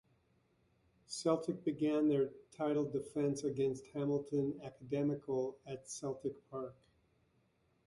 Celtic began their title defence against Hamilton Academical at Celtic Park.